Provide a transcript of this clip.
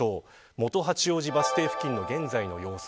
元八王子バス停付近の現在の様子。